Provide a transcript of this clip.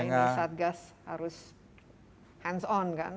apalagi ketua ini saat gas harus hands on kan